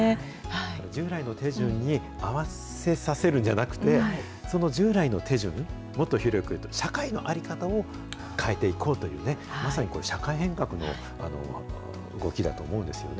従来の手順に合わせさせるんじゃなくて、その従来の手順、もっと広くいうと社会の在り方を変えていこうというね、まさに社会変革の動きだと思うんですよね。